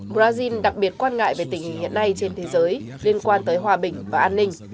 brazil đặc biệt quan ngại về tình hình hiện nay trên thế giới liên quan tới hòa bình và an ninh